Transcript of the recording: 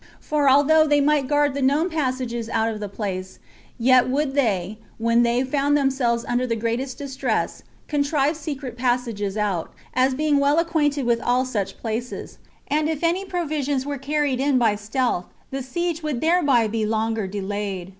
For although they might guard the known passages out of the place, yet would they, when they found themselves under the greatest distress, contrive secret passages out, as being well acquainted with all such places; and if any provisions were carried in by stealth, the siege would thereby be longer delayed.